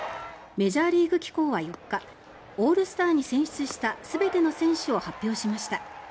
メジャーリーグ機構は４日オールスターに選出した全ての選手を発表しました。